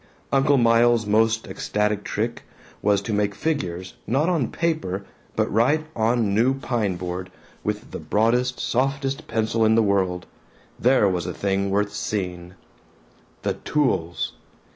Uncle Miles's most ecstatic trick was to make figures not on paper but right on a new pine board, with the broadest softest pencil in the world. There was a thing worth seeing! The tools!